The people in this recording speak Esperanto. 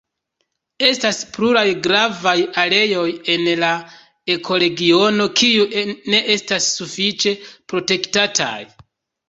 Estas pluraj gravaj areoj en la ekoregiono kiuj ne estas sufiĉe protektataj.